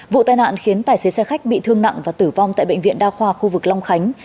vụ tai nạn khiến tài xế xe khách bị thương nặng và tử vong tại bệnh viện đa khoa khu vực long khánh